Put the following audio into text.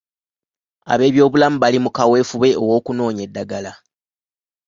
Ab’ebyobulamu bali mu kaweefube ow’okunoonya eddagala.